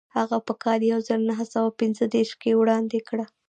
هغه په کال یو زر نهه سوه پنځه دېرش کې وړاندې کړه.